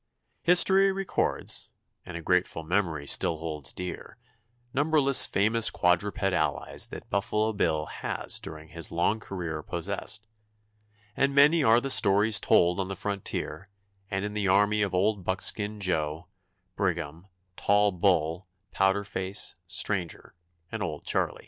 History records, and a grateful memory still holds dear, numberless famous quadruped allies that Buffalo Bill has during his long career possessed, and many are the stories told on the frontier and in the army of Old Buckskin Joe, Brigham, Tall Bull, Powder Face, Stranger, and Old Charlie.